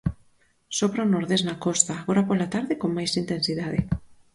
Sopra o nordés na costa, agora pola tarde con máis intensidade.